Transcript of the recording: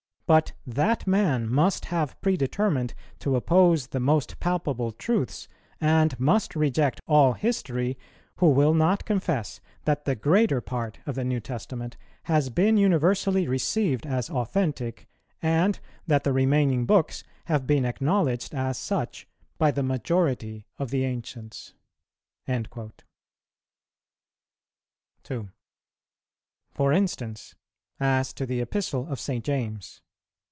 But that man must have predetermined to oppose the most palpable truths, and must reject all history, who will not confess that the greater part of the New Testament has been universally received as authentic, and that the remaining books have been acknowledged as such by the majority of the ancients."[124:1] 2. For instance, as to the Epistle of St. James.